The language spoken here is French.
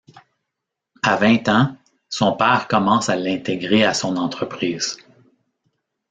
À vingt ans, son père commence à l'intégrer à son entreprise.